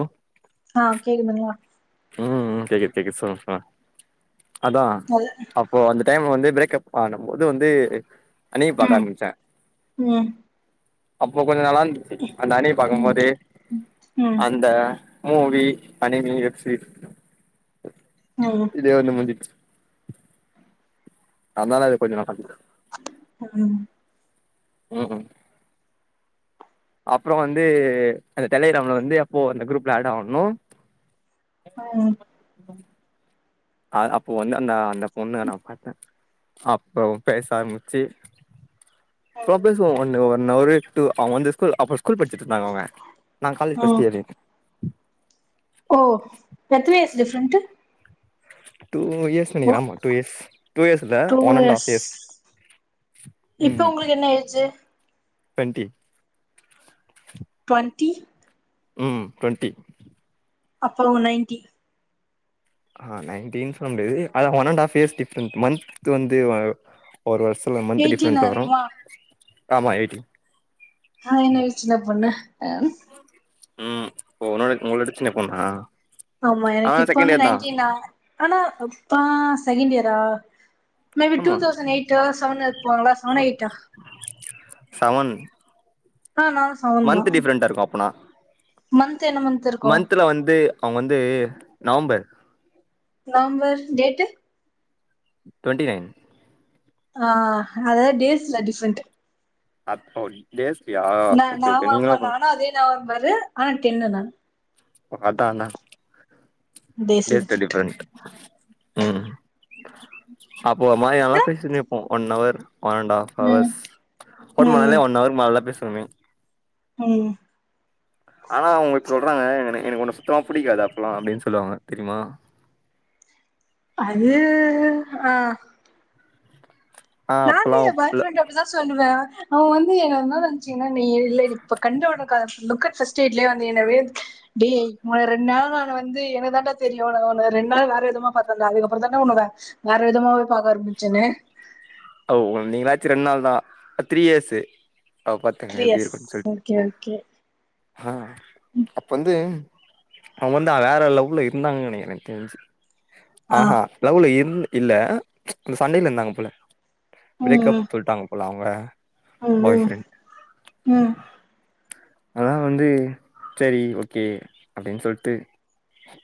ஓ ஆஹ் கேக்குதுங்களா ம் கேக்குது கேக்குது சொல்லுங்பா அதான் அது அப்போ அந்த டைம் வந்துக் பிரேக் கப் ஆன போது வந்து அணிய பார்க்க ம் ஆரம்பிச்சேன் ம் அப்போ கொஞ்சம் நல்லா இருந்துச்சு அந்த அணிய ம் பாக்கும்போது ம் அந்த மூவி அனிமி வெப் சீரீஸ் ம் ம் இதே ஒண்ண முஞ்சிட்டு அதனால இது கொஞ்சோ நல்ல [unintelligible] ம் ம்ஹும் அப்புறோ வந்து அந்த டெலகிரமில வந்து அப்போ அந்த குரூப்ல ஏட் ஆகணு ம் அ அப்போ வந்து அந்த அந்த பொண்ணு நா பாத்தே அப்றோ பேச ஆரம்பிச்சு ஓ பேசுவோ ஒன்னவர் ஒன்னவரு டூ அவங்க வந்து ஸ்கூல் அப்ப ஸ்கூல் படிச்சிட்டுருந்தாங்க அவுங்க நா காலேஜ் ஃபஸ்ட் ம் இயரு ஓ எத்தன இயர்ஸ் டிஃப்ரண்ட்டு டூ இயர்ஸ் நெனைக்கிறே ஆமா டூ இயர்ஸ் டூ இயர்ஸ் இல்ல ஒன் அண்ட் ஹாஃப் இயர்ஸ் இப்ப உங்களுக்கு என்ன ஏஜு டுவென்டி டு்வன்ட்டி ம் டுவென்டி அப்போ நைன்டி ஆ நைன்டி சொல்ல முடியாது அதா one and half years different month வந்து வ ஒரு வருசத்தில மந்த் எயிட்டீனா டிஃப்ரென்ட்ல வரு இருக்குமா ஆமா எய்டின் ஆ என்ன விட்ச் சின்ன பொண்ணு ம் உங்களோட உங்கள விட சின்ன பொண்ணா ஆமா ஆ எனக்கு இப்ப செகண்ட் வந்து இயர் தா நைன்டீனா ஆனா இப்ப செகண்ட் இயரா மே பி டூ ஆமா தௌசண் எயிட்டு செவன் இருப்பாங்கல்ல செவன் எயிட்டா சவன் ஆ நானு செவன் தா மன்த் டிஃபரெண்டா இருக்கு அப்பனா மந்த் என்ன மந்த் இருக்கு மந்த்தில வந்து அவுங்க வந்து November November date twenty nine ஆ அதாது டேஸ்ல டிஃப்ரென்ட் அப் ஓ டேஸ்லயா நா ஓகே நா ஓகே நீங்களு வாமா நானு அதே நவம்பரு ஆனா டென்னு தா அதா அதா டே டேஸ்ல ஸ்டடி டிஃப்ரெண்ட் ஃப்ரெண்டு ம் அப்போ ஒருமாரி நல்லா பேசினேருப்போ ஒன்னவர் ஒன் அண்ட் ஆஃப் ம் ஹவர்ஸ் ஃபோன் ம் பண்ணாலே ஒன்னவர் மேல தா பேசுவோமே ம் ஆனா அவுங்க இப்ப சொல்றாங்க என எனக்கு உன்ன சுத்தமா புடிக்காது அப்பல்லா அப்டின் சொல்லுவாங்க தெரியுமா அது ஆ ஆ நானு அப்பல்லா என் பாய் இல்ல ஃப்ரெண்ட அப்டிதா சொல்லுவே அவு வந்து எங்கள என்னா நெனச்சுக்கின்ன நீ இல்ல இப்ப கண்ரோலர் லுக் அட் ஃபஸ்ட் சைட்லயே வந்து [unintelligible] டே உங்கள ரெண்ட் நாளா நானு வந்து என்ன தான்டா தெரியு உன்ன ரெண்ட் நாளா வேற விதமா பாத்தன்டா அதுக்கப்புறந்தாண்டா உன்ன வே வேற விதமாவே பாக்க ஆரம்பிச்சேனு ஓ நீங்களாச்சு ரெண்ட் நாள் தா த்ரீ இயர்ஸு அப்ப பாத்துங்க த்ரீ எப்டி இயர்ஸ் இருக்குன் சொல்ட் ஓகே ஓகே ஆ அப்ப வந்து அவுங்க வந்து வேற லவ்ல இருந்தாங்கன்னு எனக் தெரின்ச்சு ஆ ஹா லவ்ல இர்ந் இல்ல அந்த சண்டைல இருந்தாங்க போல ம் பிரேக் அப் சொல்ட்டாங்க போல அவுங்க ம் ம் ம் அதா வந்து செரி ஓகே அப்டின் சொல்ட்டு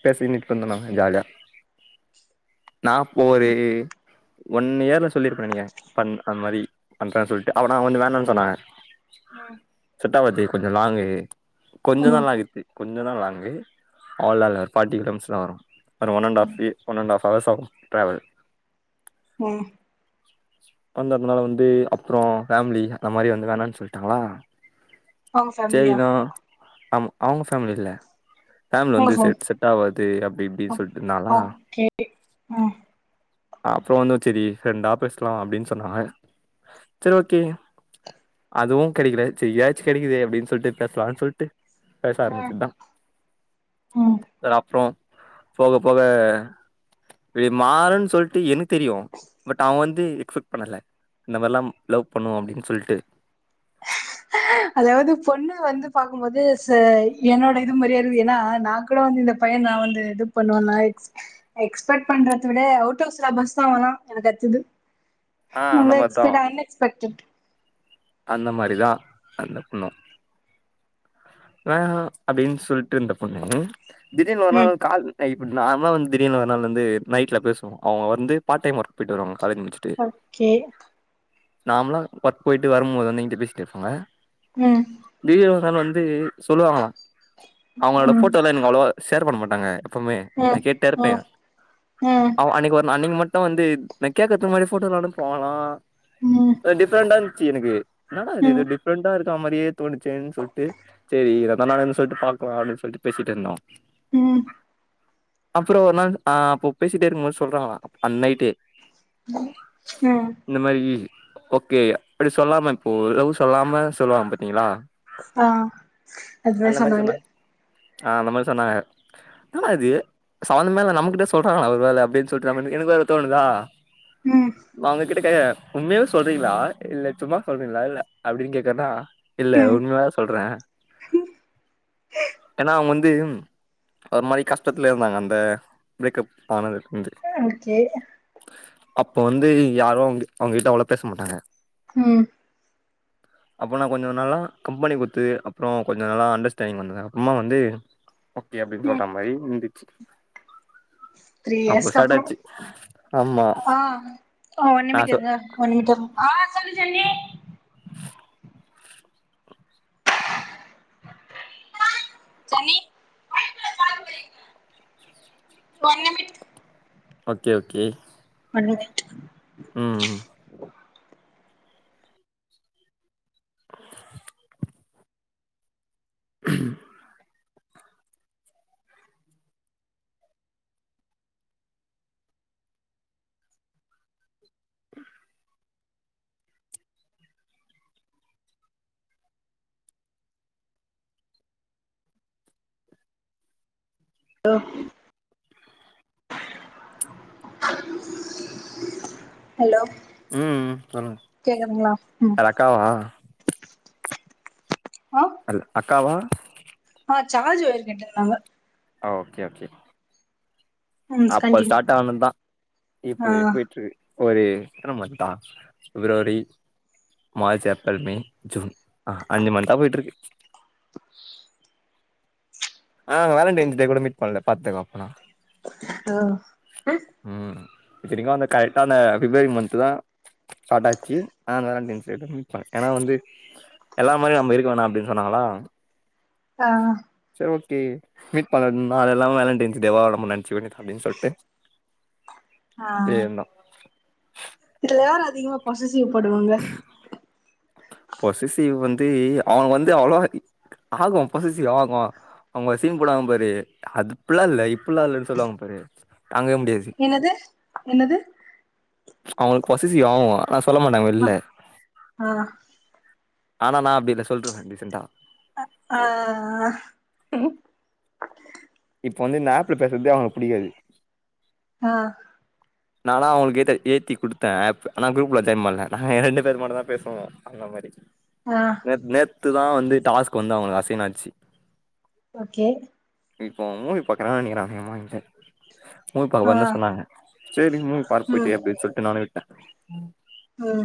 பேசி மீட் பண்ண நா ஜாலியா நா போறே ஒன் இயர்ல சொல்லிருப்பனா நீங்க பண் அந் மாரி பண்றே சொல்ட்டு அவனா வந்து வேணான் சொன்னாங்க ம் ட்டாவது கொஞ்சோ லாங்கு கொஞ்சந்தா ம் லாங் இது கொஞ்சோ தா லாங்கு அவ்ளோலால ஃபாட்டி கிலோ மீஸ்ல வரூ ஒரு ஒன் அன்ட் ஆஃப் இ ஒன் அன்ட் ஆஃப் அவர்ஸாகூ ட்ராவல் ம் [unintelligible] பந்தர் முனால வந்து அப்றோ ஃபேம்லி அந்த மாரி வந்து வேணான் சொல்ட்டாங்களா உங்க ஃபேமிலியா செரிதா அம் அவுங்க ஃபேமிலி இல்ல ஃபேம்ல் உங்க வந்து செ ஃபேம் செட் ஆவாது அப்பிடி இப்பிடின் சொல்லிட்ருந்தாங்ளா ஓகே ம் அப்றோ வந்து செரி ஃப்ரெண்டா பேசலா அப்பிடின் சொன்னாங்க செரி ஓகே அதுவூ கெடைக்கில செரி இதியாச்சு கெடைக்குதே ப்டின் சொல்ட்டு பேசலான் சொல்ட்டு பேச ம் ஆரம்பிச்சத்தா ம் செர் அப்றோ போகப் போக இது மாறுன் சொல்ட்டு எனக் தெரியூ பட் அவுங் வந் து எக்ஸ்பெக்ட் பண்ணல இந்த மார்லாம் லவ் பண்ணுவோ அப்டின் சொல்ட்டு அதாவது பொண்ணு வந்து பாக்கும்போது ச என்னோட இது மாரியே இருக்கு ஏனா நா கூட வந்து இந்த பைய நா வந்து இது பண்ணுவேலா எக்ஸ் எக்ஸ்பெக்ட் பண்றது விட அவுட்டாஃப் சிலபஸ்தாவெலா என தச்சது ஆ அந்த இந்த மாரிதா எக்ஸ்பெட் அன்எக்ஸ்பெக்டட் அந்த மாரிதா அந்த பொண்ணூ வேணா அப்டின் சொல்ட்டு இந்த பொண்ணு திடீர்னு ஒரு நாள் ம் கால் அய் இப்ட் நார்மலா வந்து திடீர்னு ஒரு நாள் வந்து நைட்ல பேசுவோ அவுங்க வந்து பார்ட் டைம் ஒர்க் போயிட்டு வருவாங்க காலேஜ் முடிச்சுட்டு ஓகே நார்மலா ஒர்க் போயிட்டு வரும்போது வந்து என்ட்ட பேசிட்டு ஃபோன்ல ம் திடீர்னு ஒரு நாள் வந் து சொல்லுவாங்களா அவுங்களோட ம் ஃபோட்டோ எல்லா எனக் அவ்ளவா ஷேர் பண்ண மாட்டாங்க ப்பமே நா ம் கேட்டேருப்பே ம் ம் அவ் அன்னைக்கி ஒர் அன்னைக் மட் ட்ட வந்து நா கேக்கத்து மாரி ஃபோட்டோ எல்லா அனுப்புவாங்களா ம் அ டிஃப்ரெண்டாந்த்ச்சி எனக்கு என்னடாது இது ம் டிஃப்ரெண்ட்டா இருக்க மாரியே தோணுச்சேன் சொல் நனாவேன்னு சொல்ட்டு பாக்லா அப்டின் சொல்ட்டு பேசிட்டுருந்தோ ம் அப்றோ ஒரு நாள் ஆ அப்ப பேசிட்டேருக்கும்போது சொல்றாங்க அந் நைட்டு ம் ம் மாரி ஓகே ப்டி சொல்லாம இப்போ லவ் சொல்லாம சொல்லுவாங் பாத்தீங்ளா ஆ அதுவே சொன்னாங்க ஆ அந்த மாரி சொன்னாங்க என்னடா இது சமந்தேமில்ல நம்கிட்ட சொல்றாங்களா ஒரு வேல அப்டின் சொல்ட்டு நாவந்து எனக் வேற தோணுதா. ம் மாங்கு கிட்ட கைய உண்மேல சொல்றீங்ளா இல்ல சும்மா சொல்றீங்ளா இல்ல அப்டின் கேட்டேனா இல்ல ம் உண்மயா ஸ் அ ஏனாவ் வந்து ம் ஒர் மாரி கஷ்டத்லே இர்ந்தாங்க அந்த ப்ரேக்கப் ஆனதுக் ம் செரி அப்ப வந்து யாரோ ங்கு அவுங்கிட்ட அவ்ள பேச மாட்டாங்க ம் அப்ப நா கொஞ்சே நாளா கம்பெனி குத் த்து அப்றோ கொஞ்ச நலா அண்டர்ஸ்டேண்டிங் வந்துதுங்க அம்மா வந்து ஓகே அப்டின் ம் சொல்ற மாரி முந்தி [inaudible] த்ரீ இயர்ஸ்கப்றோ ஆமா ஆ நா ஒன்னிமிட் சொ இருங்க ஒன்னிமிட்டு ஐன்னி அதுக்குள்ள காலுவலின one minute. Okay okay. One minute உம்ம் ம். ஓ. ஹலோ. ம் சொல்லுங்க கேக்குதுங்களா உம். அது அக்காவா அல் அக்காவா ஆ சார்ஜ் ஒயர் கெட்டிருந்தாங்க ஓகே ஓகே. ம் அப்ப கண்டினியூ ஸ்டார்ட் ஆனதா ஆ இப்பவே போயிட்டுருக்கு ஒரே க்க நம தா February March April May June ஆ அஞ்சு மந்தா போயிட்டுருக்கு [inaudible] ஆ வேலன்டைன்ஸ்டே கூட மிட் பண்ல பாத்துக்கொ அப்புனா. ஆ. உம் இத்தனைக்கு அந்த கரெக்டான அந்த பிப்ரவரி மந்த்துதா ஸ்டாகிச்சு ஆ அந்த வெலன்டைஸ்டே தா மிட் பண்ண ஏனா வந்து எல்லாமரியு நம்ப இருக்க வேனா அப்டினு சொன்னாகலா [inaudible] ஆ. ஓகே மீட் பல்லனுனா எல்லா வேலடேன்ஸ்டே வா நம்ம நெனச்சுக்க வேண்டிதா அப்டின்னு சொல்ட்டு ஆ. சரி இதுல யாரு அதிகமா பொசசிவ் படுவாங்க. பொசசிவ் வந்து அவ வந்து அவொளவெ ஆகு பொசசிவ் ஆகுவ அவுங்கோசீன் போடுவாங்க பாரு அதுகுல்ல லைப் ஃபுல்லால்லன்னு சொல்லுவாங்க பாரு. என்னது என்னது. அவ்ங்களுக்கு பொசசிவ் ஆகு ஆனா சொல்ல மாட்டாங்க ஆ வெல்ல. ஆ ஆனா நா அப்டி இல்ல சொல்டுறுவ டிசெண்டா. ஆ ஆ இப்ப வந்துந்த ஆப்ள பேசற்தே அவ்னுக் புடிக்காது. ஆ. நானா அவ்ங்களுக்கு ஏத்த ஏத்தி குடுத்த ஆப் ஆனா குரூப்ல ஜாயின் பண்ணல நாங்க ரெண்டு பேர் மட்டுதா பேசுவோ அந்த மாரி. ஆ நேத் நேத்துதா வந்து டாஸ்க் வந்து அவுங்களுக்கு அசைனாச்சு ஓகே இப்போ மூவி பக்கறாங் நெனைகிறே அதிகமாகின்ட்ட மூவி பாக்கபோறனுதா ஆ சொன்னாங்க செரின்னு மூவிபாரு போயிட்டு அப்டின்னு சொல்லிட்டு நானு விட்டே உம்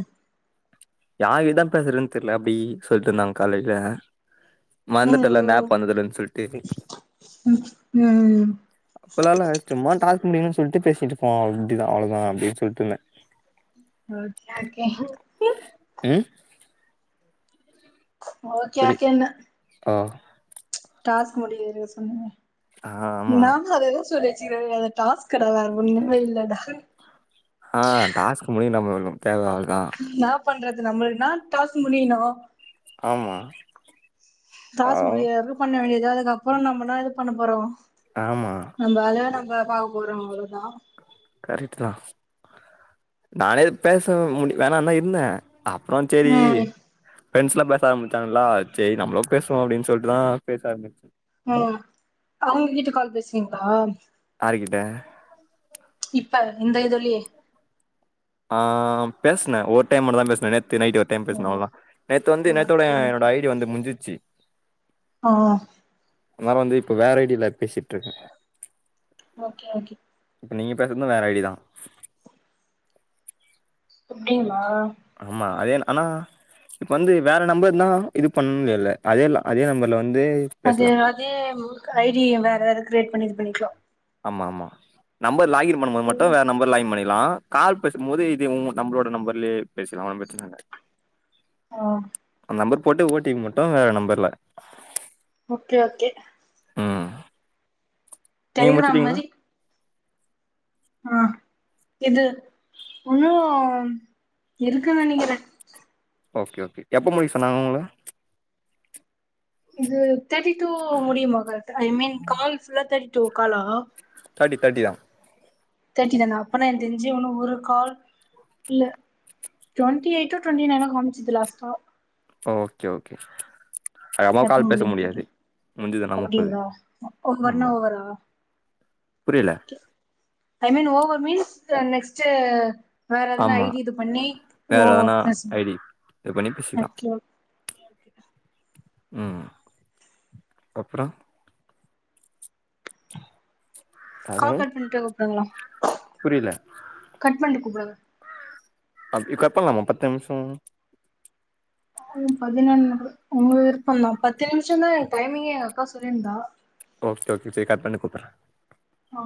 யார்கிட்டதா பேசுறதுன்னு தெரியல அப்டி சொல்லிட்டு இருந்தாங்க காலையில ம் வந்துட்டல்லாந்த ம் ஆப் வந்ததுலன்னு சொல்லிட்டு ம் ம் அப்பல்லா இல்ல யெஸ்ட்ம்மா டாஸ்க் முடிப் ம் னு சொல்லிட்டு பேசிட்டுப்போ அவ அப்டிதான அவ்ளோதா அப்டின்னு சொல்லிட்டுந்தே ஓகே ஓகே ம் ஓகே புரி ஓகே அண்ணா ஆ டாஸ்க் முடிய ஏதோ சொன்னீங்க ஆ ஆமா இன்க்நாம்லு அத எத சொல்லிடே டாஸ் கடவுளார் ஒன்னுமே இல்லடா ஆ டாஸ்க்கு முடியு நம்முலு தேவ அவ்ளோதா நம்மல்னா டாஸ்க் முடியுணு ஆமா ஆ டாஸ்க் முடியுறவரையு பண்ண வேண்டியது தா அதுக்கப்றோ நம்மதா இது பண்ண போறோ ஆமா நம்ம வேல்ல நம்ம பாக்க போறோ அவ்ளோதா ரைட்டுதா நானே பேச முடிவேண தா இருந்தே அப்றோ செரீ ம் ஃப்ரெண்ட்ஸ்லா பேச ஆரம்பிச்சாங்களா சரி நம்ளோ பேசுவோ அப்படின்சொல்லிட்டு தா பேச ஆரம்பிச்ச உம் அவங்க கீட்ட கால் பேசுவீங்களா யார் கிட்ட இப்ப இந்த இதுலயே ஆ பேசுன ஒரு டைம் மட்டுதா பேசுன நெ நேத்து நைட் ஒரு டைம் பேசுன ஓ அவ்ளோதா நேத்து வந்து நேத்தோட ஓகே என்னனோட ஓகே ஐ டி வந்து முடிஞ்சிச்சு ஆ நா வந்து இப்ப வேற ஐ டில பேசிட்டு இருக்கே ஓகே ஓகே இப்ப நீங்க பேசுறதும் வேற ஐ டி தா அப்டிங்களா ஆமா அது என ஆனா இப்ப வந்து வேற நம்பர் தா இது பண்ணும்ல்ல அதே அதே நம்பர்ல வந் அது அதே ஐ டி வேற வேற கிரியேட் பண்ணிக்கலா ஆமா ஆமா நம்பர் லாகின் பண்ணு போது மட்டு வேற நம்பர் லாகின் பண்ணி க்கலா கால் பேசும் போது இது உங்க நம்பளோட நம்பர்லயே பேசலா ஒன்னு பிரச்சன இல்ல ஆ அந்த நம்பர் போட்டு ஓட்டிக்க மட்டு வேற நம்பர்ல ஓகே ஓகே ம் நீங்க டெலிகிராம் முடிச்சிட்டீங்களா மாரி ஆ இது ஒன்னு இருக்குன்னு நினைக்கிற ஓகே ஓகே எப்ப முடிக்க சொன்னாங்க உங்கள இது தேர்ட்டி டூ முடியுமா கரெக்டா ஐ மீன் கால்புல்லா தேர்ட்டி டூ காலா தேர்ட்டி தேர்ட்டி தா தேட்டி தானா அப்பனா எனக்கு தெரிஞ்சி ஊனு ஒரு கால் இல்ல டுவென்டி எயிட்ட டுவென்டி நைன்னோ காமிச்சது லாஸ்ட்டா ஓகே ஓகே அம்மா எப்ப கால் பேச முடியும்னு முடியாது தெரில முடிஞ்சதுனா முப்பது அப்படிங்களா ஓவர்னா ஆமா ஓவரா புரியல I mean over means next வேற எதுன்னா ஐ ஆமா டி இது பண்ணி வேற ஓ எதனா ச ஐடி இது பண்ணி தாங்க்யூ உம் அப்றோ ஹலோ கால் கட் பண்ணிட்டு கூப்டுங்களே புரியல கட் பண்ணிட்டு கூப்டுங்க அப்படி கட் பண்ணலாமா பத்து நிமிஷ ம் பதினொன்னு உங்க விருப்பந்தா பத்து நிமிஷந்தா டைமிங்கே எங்கக்கா சொல்லிருந்தா ஓகே ஓகே சரி கட் பண்ணிட்டு கூப்பிட்றே ஆ